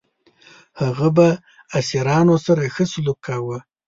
هغه به اسیرانو سره ښه سلوک کاوه.